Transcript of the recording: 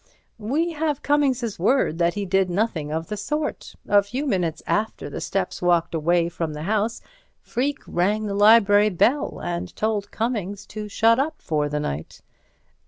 "We have Cummings's word that he did nothing of the sort. A few minutes after the steps walked away from the house, Freke rang the library bell and told Cummings to shut up for the night."